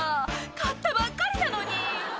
買ったばっかりなのに」